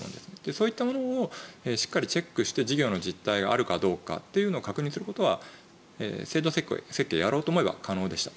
そういったものをしっかりチェックして事業の実態があるかどうかを確認することは制度設計をやろうと思えば可能でした。